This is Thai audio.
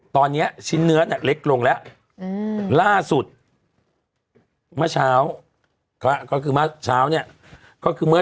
ตอนเนี้ยชิ้นเนื้อนี่เล็กลงแล้วอืมล่าสุดมฯ